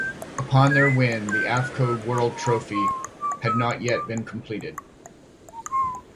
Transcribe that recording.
Upon their win, The Avco World Trophy had not yet been completed.